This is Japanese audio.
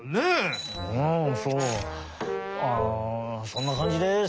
ああそんなかんじです。